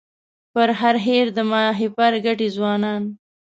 پر هر هېر د ماهیپر ګټي ځوانانو